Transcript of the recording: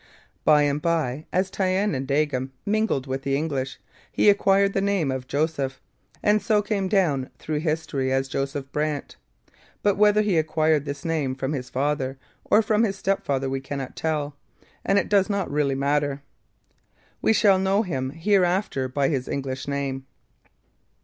By and by, as Thayendanegea mingled with the English, he acquired the name of Joseph, and so came down through history as Joseph Brant; but whether he acquired this name from his father or from his step father we cannot tell, and it does not really matter. We shall know him hereafter by his English name.